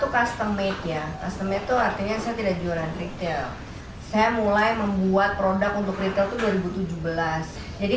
custom made ya artinya saya tidak jualan retail saya mulai membuat produk untuk retail dua ribu tujuh belas jadi